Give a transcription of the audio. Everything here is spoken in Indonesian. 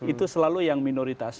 itu selalu yang minoritas